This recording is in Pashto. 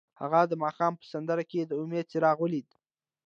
هغه د ماښام په سمندر کې د امید څراغ ولید.